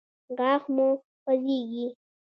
غاښ مو خوځیږي؟